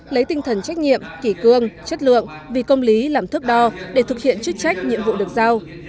lấy tinh thần trách nhiệm kỷ cương chất lượng vì công lý làm thước đo để thực hiện chức trách nhiệm vụ được giao